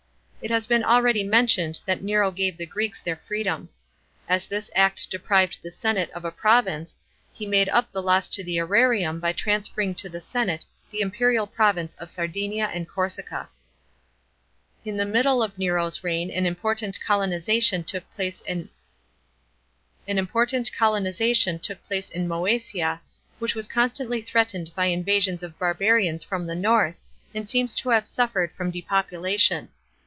It has been already mentioned that Nero gave the Greeks their freedom. As this act deprived the senate of a province, he made up the loss to the serarium by transferring to the senate the imperial province of Sardinia and Corsica. In the middle of Nero's reign an important colonisation took place in Mcesia, which was constantly threatened by invasions of barbarians from the north, and seems to have suffered from de population.